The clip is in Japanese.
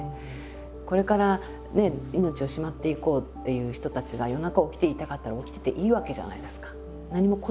これからね命をしまっていこうっていう人たちが夜中起きていたかったら起きてていいわけじゃないですか。